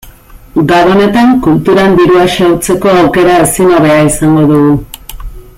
Gabonetan kulturan dirua xahutzeko aukera ezin hobea izango dugu.